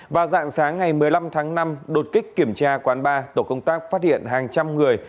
vào dạng sáng ngày một mươi năm tháng năm đột kích kiểm tra quán ba tổ công tác phát hiện hàng trăm người